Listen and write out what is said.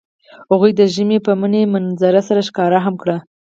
هغوی د ژمنې په بڼه منظر سره ښکاره هم کړه.